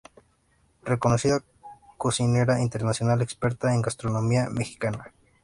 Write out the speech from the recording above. Reconocida cocinera internacional, experta en gastronomía mexicana.